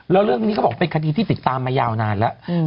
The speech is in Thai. แล้วเรื่องนี้เขาบอกเป็นคดีที่ติดตามมายาวนานแล้ว